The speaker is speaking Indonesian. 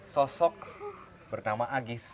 sosok bernama agis